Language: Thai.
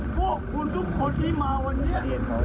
ของทุกคนที่มาวันนี้ผมก็ไม่ชอบ